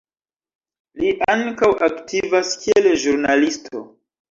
Li ankaŭ aktivas kiel ĵurnalisto.